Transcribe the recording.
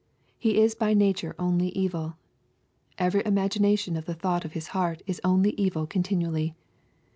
He is by nature onlj evil " Every imagination o^ *He thought of his heart is only evil continually."